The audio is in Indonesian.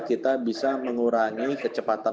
kita bisa mengurangi kecepatan